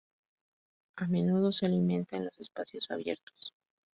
A menudo se alimenta en los espacios abiertos.